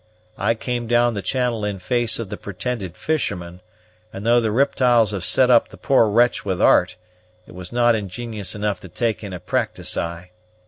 I came down the channel in face of the pretended fisherman; and, though the riptyles have set up the poor wretch with art, it was not ingenious enough to take in a practysed eye.